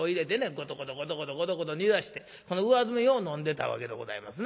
コトコトコトコトコトコト煮出してこの上澄みを飲んでたわけでございますな。